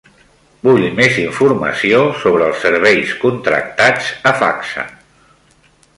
Vull més informació sobre els serveis contractats a Facsa.